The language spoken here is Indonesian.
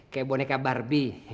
kayak boneka barbie